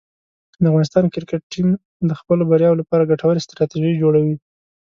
د افغانستان کرکټ ټیم د خپلو بریاوو لپاره ګټورې ستراتیژۍ جوړوي.